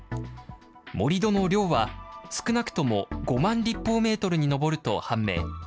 盛り土の量は少なくとも５万立方メートルに上ると判明。